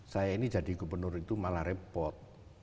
saya ini jadi gubernur itu malah repot